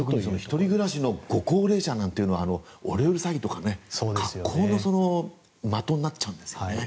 １人暮らしのご高齢者なんかオレオレ詐欺とかの格好の的になっちゃうんですよね。